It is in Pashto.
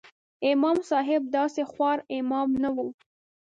امام صاحب داسې خوار امام نه و.